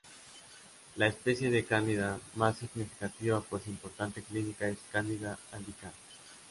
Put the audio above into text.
La especie de "Candida" más significativa por su importancia clínica es "Candida albicans".